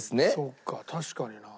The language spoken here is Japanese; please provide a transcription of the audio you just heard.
そうか確かにな。